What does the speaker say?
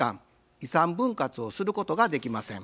遺産分割をすることができません。